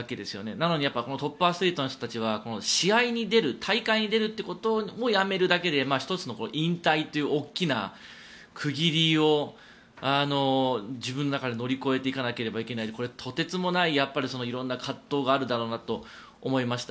なのにトップアスリートの人たちは試合に出る大会に出ることをやめるだけで１つの引退という大きな区切りを自分の中で乗り越えていかなければいけないとてつもない葛藤があるだろうなと思いました。